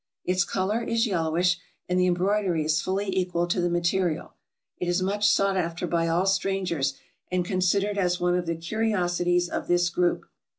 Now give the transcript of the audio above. Its color is yellowish, and the embroidery is fully equal to the material. It is much sought after by all strangers, and considered as one of the curiosi ties of this group.